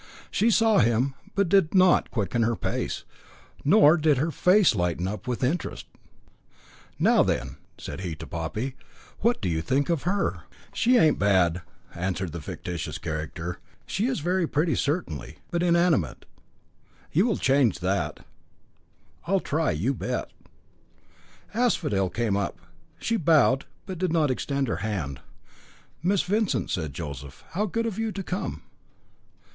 She saw him, but did not quicken her pace, nor did her face light up with interest. "Now, then," said he to Poppy, "what do you think of her?" "She ain't bad," answered the fictitious character; "she is very pretty certainly, but inanimate." "You will change all that." "I'll try you bet." Asphodel came up. She bowed, but did not extend her hand. "Miss Vincent," said Joseph. "How good of you to come."